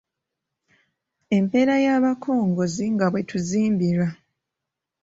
Empeera y’abakongozzi nga bwe bituzimbirwa